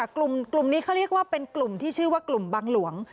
กลุ่มนี้เขาเรียกว่าเป็นกลุ่มที่ชื่อว่ากลุ่มบังหลวง